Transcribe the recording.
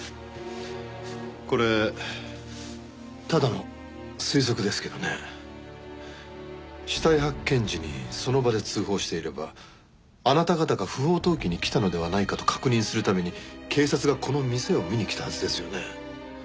これただの推測ですけどね死体発見時にその場で通報していればあなた方が不法投棄に来たのではないかと確認するために警察がこの店を見に来たはずですよね。